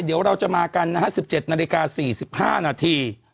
เดี๋ยวเราจะมากันนะฮะ๑๗นาฬิกา๔๕นาที